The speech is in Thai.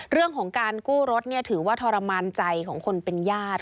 เรื่องของการกู้รถถือว่าทรมานใจของคนเป็นญาติ